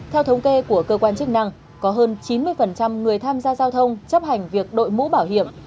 theo thống kê của cơ quan chức năng có hơn chín mươi người tham gia giao thông chấp hành việc đội mũ bảo hiểm